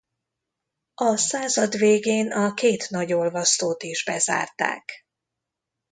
A század végén a két nagyolvasztót is bezárták.